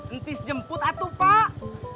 entis jemput atuh pak